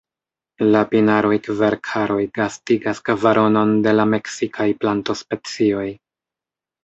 La pinaroj-kverkaroj gastigas kvaronon de la meksikaj plantospecioj.